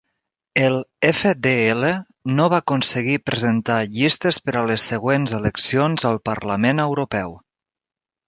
El FdL no va aconseguir presentar llistes per a les següents eleccions al Parlament Europeu.